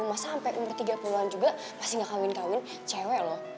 masa sampai umur tiga puluh an juga pasti nggak kawin kawin cewek loh